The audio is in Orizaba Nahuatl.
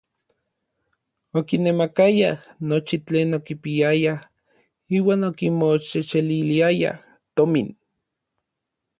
Okinemakayaj nochi tlen okipiayaj iuan okimoxexeliliayaj tomin.